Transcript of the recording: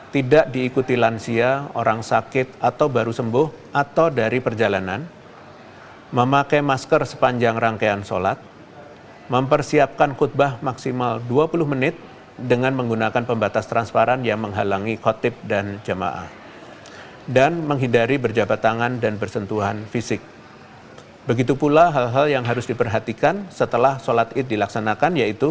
hal ini untuk mencegah kerumunan dan meminimalisir kontak fisik yang dapat meningkatkan penularan